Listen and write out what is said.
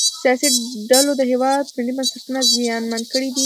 سیاسي ډلو د هیواد ملي بنسټونه زیانمن کړي دي